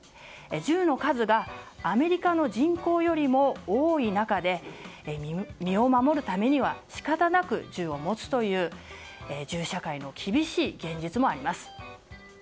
銃の数がアメリカの人口よりも多い中で身を守るためには仕方なく銃を持つという銃社会の厳しい現実もあります。